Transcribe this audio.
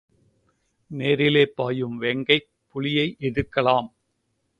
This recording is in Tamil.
நேரிலே பாயும் வேங்கைப் புலியை எதிர்க்கலாம்.